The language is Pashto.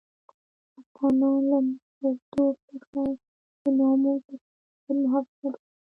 افغانان له مشرتوب څخه د ناموس د شرافت محافظت غواړي.